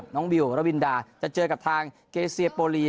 น้องวิวและวินดาจะเจอกับทางเกษียโปรลี